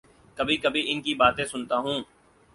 کبھی کبھی ان کی باتیں سنتا ہوں۔